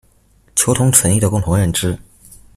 求同存異的共同認知